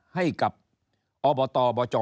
ให้กับอบตบจ